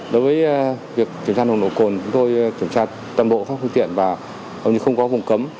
đối với việc kiểm tra nồng độ cồn chúng tôi kiểm tra toàn bộ các phương tiện và không có vùng cấm